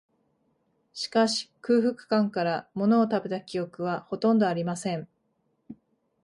しかし、空腹感から、ものを食べた記憶は、ほとんどありません